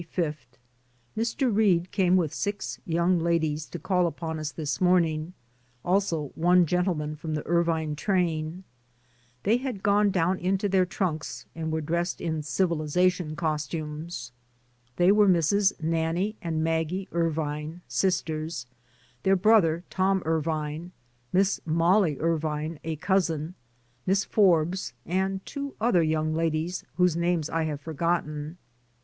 Mr. Reade came with six young ladies to call upon us this morning, also one gentle man from the Irvine train. They had gone down into their trunks and were dressed in civilization costumes. They were Misses Nannie and Maggie Irvine — sisters — their brother, Tom Irvine, Miss Mollie Irvine, a cousin — Miss Forbes, and two other young DAYS ON THE ROAD. 109 ladies, whose names I have forgotten.